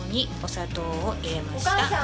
お砂糖を入れました。